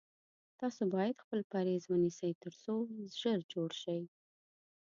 تاسو باید خپل پریز ونیسی تر څو ژر جوړ شی